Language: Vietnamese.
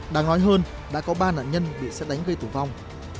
đáng nói hơn đã có ba nạn nhân bị xét đánh gây tử vong